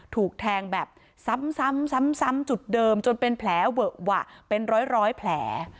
ถูกแทงแบบซ้ำซ้ำซ้ำซ้ำจุดเดิมจนเป็นแผลเวอะวะเป็นร้อยร้อยแผล